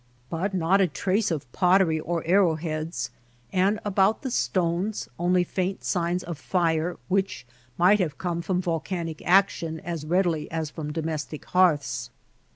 But not a trace of pottery or arrow heads ; and about the stones only faint signs of fire which might have come from volcanic action as readily as from domestic hearths.